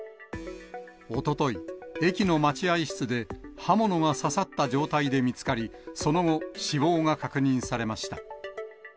おととい、駅の待合室で、刃物が刺さった状態で見つかり、その後、死亡が確認されました。